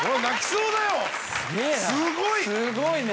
すごいね。